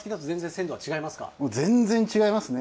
全然違いますね。